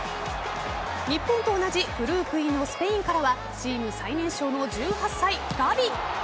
日本と同じグループＥのスペインからはチーム最年少の１８歳、ガヴィ。